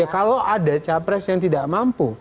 kalau ada capres yang tidak mampu